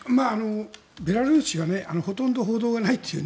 ベラルーシがほとんど報道がないと。